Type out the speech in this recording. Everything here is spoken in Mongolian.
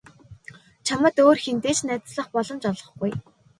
Чамд өөр хэнтэй ч найзлах боломж олгохгүй.